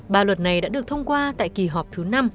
ba luật này đã được thông qua tại kỳ họp thứ năm